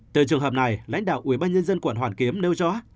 từ trường hợp này lãnh đạo ubnd quận hoàn kiếm nêu rõ